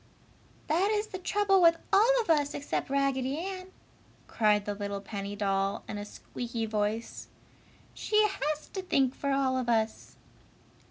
"That is the trouble with all of us except Raggedy Ann!" cried the little penny doll, in a squeaky voice, "She has to think for all of us!"